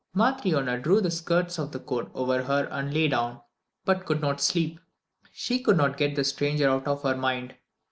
Matryona drew the skirts of the coat over her and lay down, but could not sleep; she could not get the stranger out of her mind.